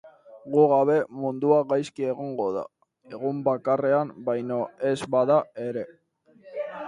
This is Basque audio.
Gu gabe, mundua gaizki egongo da, egun bakarrean baino ez bada ere.